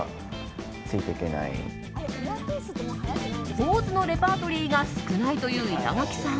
ポーズのレパートリーが少ないという板垣さん。